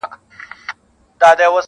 په بل کلي کي د دې سړي یو یار وو.